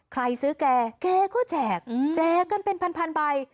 ใครซื้อแกแกก็แจกแจกกันเป็นพันใบ